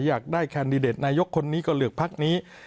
อยากได้แคนดิเดตนายกคนนี้ก็เลือกพักนี้